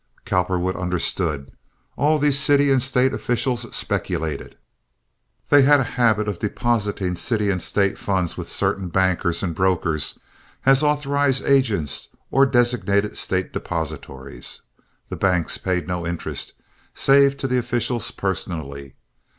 Cowperwood understood. All these city and State officials speculated. They had a habit of depositing city and State funds with certain bankers and brokers as authorized agents or designated State depositories. The banks paid no interest—save to the officials personally.